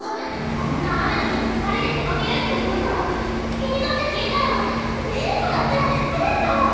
こんな雨の日に２人で出かけるって言うから気になって聞いたらデートだってデート！